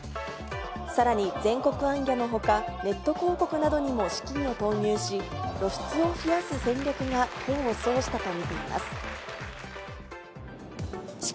さらに全国行脚のほか、ネット広告などにも資金を投入し、露出を増やす戦略が功を奏したと見ています。